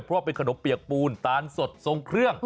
เพราะว่าเป็นขนมเปียกปูนตาลสดทรงเครื่อง